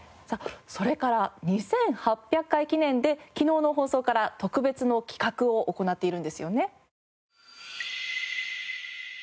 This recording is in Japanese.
それから２８００回記念で昨日の放送から特別な企画を行っているんですよね？